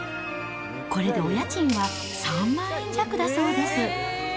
これでお家賃は３万円弱だそうです。